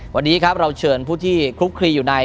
วันนี้ครับเราเชิญผู้ที่คลุกคลีอยู่ใน